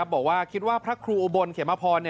บอกว่าพระครูอุบลเขมพอน